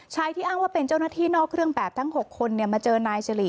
ที่อ้างว่าเป็นเจ้าหน้าที่นอกเครื่องแบบทั้ง๖คนมาเจอนายสิริ